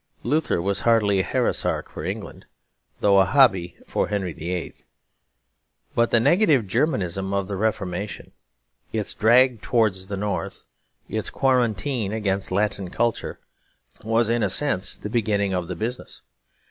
Luther was hardly a heresiarch for England, though a hobby for Henry VIII. But the negative Germanism of the Reformation, its drag towards the north, its quarantine against Latin culture, was in a sense the beginning of the business.